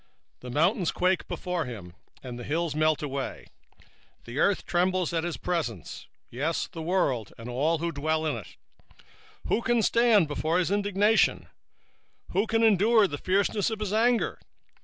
1:5 The mountains quake at him, and the hills melt, and the earth is burned at his presence, yea, the world, and all that dwell therein. 1:6 Who can stand before his indignation? and who can abide in the fierceness of his anger?